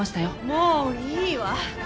もういいわ！